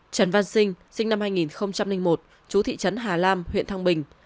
trần văn sinh sinh năm hai nghìn một chú thị trấn hà lam huyện thăng bình